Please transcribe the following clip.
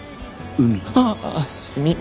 海？